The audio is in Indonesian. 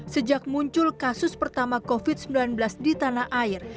sejak muncul kasus pertama covid sembilan belas di tanah air